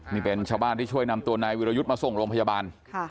นี่เป็นชาวบ้านที่ช่วยนำตัวนายวิรยุทธ์มาส่งโรงพยาบาล